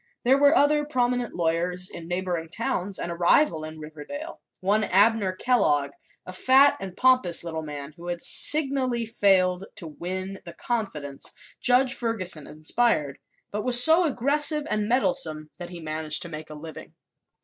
There were other prominent lawyers in neighboring towns and a rival in Riverdale one Abner Kellogg, a fat and pompous little man who had signally failed to win the confidence Judge Ferguson inspired but was so aggressive and meddlesome that he managed to make a living.